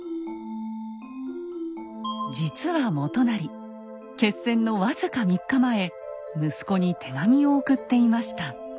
実は元就決戦の僅か３日前息子に手紙を送っていました。